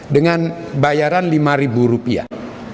dengan bayaran lima ribu rupiah